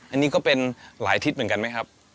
อันนี้ก็เป็นหลายทิศเหมือนกันไหมครับ